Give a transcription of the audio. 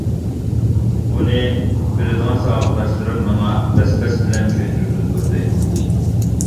بۇنى بىلىدىغان ساۋاقداشلىرىم، ماڭا بەس-بەس بىلەن چۈشەندۈرگىلى تۇردى.